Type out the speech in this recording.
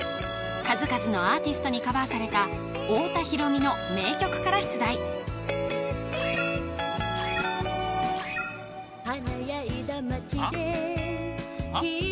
数々のアーティストにカバーされた太田裕美の名曲から出題はあはあ？